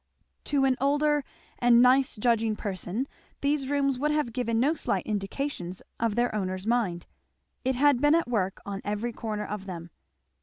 To an older and nice judging person these rooms would have given no slight indications of their owner's mind it had been at work on every corner of them.